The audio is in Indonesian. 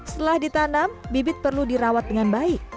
setelah ditanam bibit perlu dirawat dengan baik